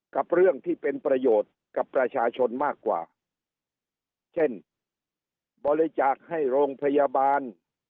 กับเรื่องที่เป็นประโยชน์กับประชาชนมากกว่าเช่นบริจาคให้โรงพยาบาล